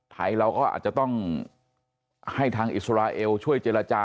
ไทยเราก็อาจจะต้องให้ทางอิสราเอลช่วยเจรจา